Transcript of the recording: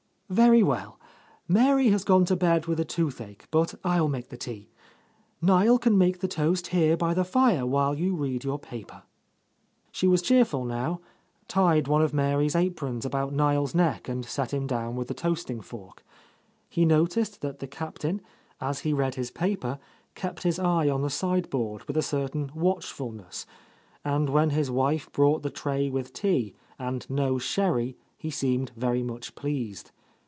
"Very well. Mary has gone to bed with a toothache, but I will make the tea. Niel can make the toast here by the fire while you read your paper." She was cheerful now, — tied one of Mary's aprons about Niel's neck and set him down with the toasting fork. He noticed that the Captain, as he read his paper, kept his eye on the side board with a certain watchfulness, and when his wife brought the tray with tea, and no sherry, he seemed very much pleased.